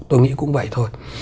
tôi nghĩ cũng vậy thôi